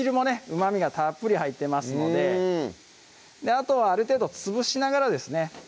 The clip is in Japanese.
うまみがたっぷり入ってますのであとはある程度潰しながらですね